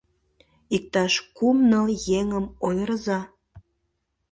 — Иктаж кум-ныл еҥым ойырыза.